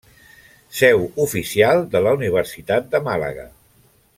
Seu oficial de la Universitat de Màlaga.